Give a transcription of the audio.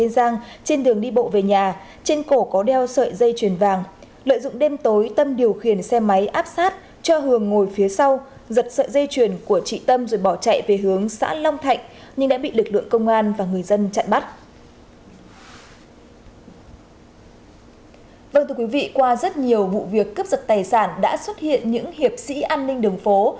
vâng thưa quý vị qua rất nhiều vụ việc cấp giật tài sản đã xuất hiện những hiệp sĩ an ninh đường phố